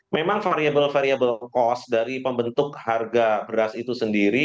memang variable variable cost dari pembentuk harga beras ini